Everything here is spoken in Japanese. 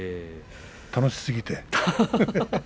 楽しすぎて。